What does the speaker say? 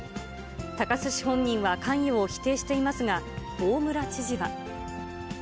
高須氏本人は関与を否定していますが、大村知事は。